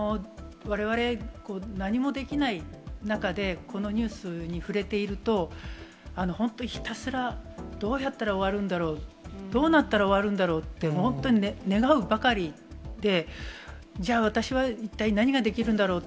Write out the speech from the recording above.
われわれ、何もできない中で、このニュースに触れていると、本当、ひたすらどうやったら終わるんだろう、どうなったら終わるんだろうって、本当に願うばかりで、じゃあ、私は一体、何ができるんだろう？